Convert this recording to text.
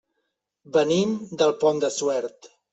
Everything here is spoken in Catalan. Venim del Pont de Suert.